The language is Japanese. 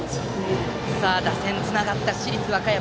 打線がつながった市立和歌山。